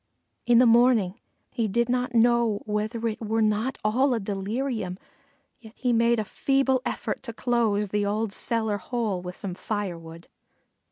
In the morning he did not know whether it were not all a delirium, yet he made a feeble effort to close the old cellar hole with some firewood.